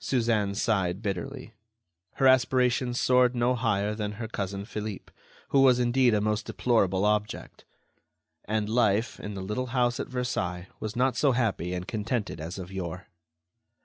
Suzanne sighed bitterly. Her aspirations soared no higher than her cousin Philippe, who was indeed a most deplorable object. And life, in the little house at Versailles, was not so happy and contented as of yore.